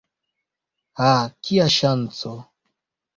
Ha! kia ŝanco!